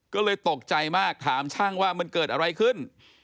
ก็เลยตกใจมากถามช่างว่ามันเกิดอะไรขึ้น